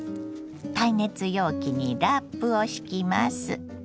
耐熱容器にラップを敷きます。